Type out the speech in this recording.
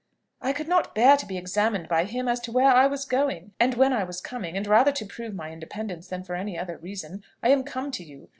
"I could not bear to be examined by him as to where I was going, and when I was coming; and rather to prove my independence, than for any other reason, I am come to you.